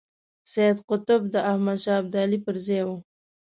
سید قطب د احمد شاه ابدالي پر ځای وو.